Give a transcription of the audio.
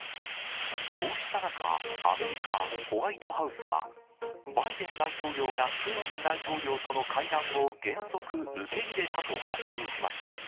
こうした中、アメリカ、ホワイトハウスはバイデン大統領がプーチン大統領との会談を原則、受け入れたと発表しました。